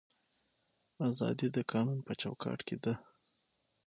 ازادي د قانون په چوکاټ کې ده